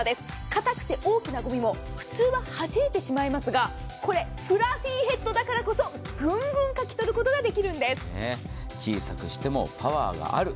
硬くて大きなごみも普通ははじいてしまいますがフラフィヘッドだからこそぐんぐんかき取ることが小さくしてもパワーがある。